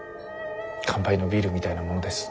乾杯のビールみたいなものです。